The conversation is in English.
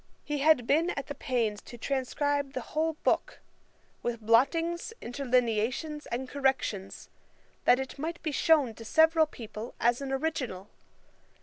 He had been at the pains to transcribe the whole book, with blottings, interlineations, and corrections, that it might be shewn to several people as an original.